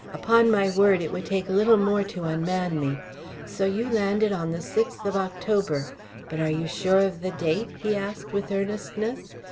"Upon my word, it would take little more to unman me. So you landed on the sixth of October. But are you sure of the date?" he asked with earnestness.